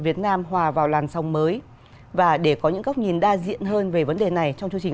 việt nam hòa vào làn sóng mới và để có những góc nhìn đa diện hơn về vấn đề này trong chương trình